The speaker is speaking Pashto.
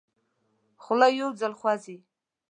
خوله یو ځل خوځي.